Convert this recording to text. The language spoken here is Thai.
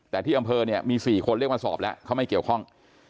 แต่ที่อำเภอเนี่ยมี๔คนเรียกมาสอบแล้วเขาไม่เกี่ยวข้อง